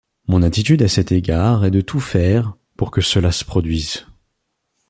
Mon attitude à cet égard est de tout faire pour que cela se produise.